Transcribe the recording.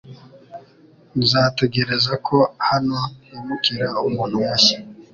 Nzategereza ko hano himukira umuntu mushya .